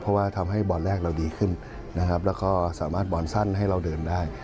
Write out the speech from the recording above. เพราะว่าทำให้บอลแรกเราดีขึ้นนะครับแล้วก็สามารถบอลสั้นให้เราเดินได้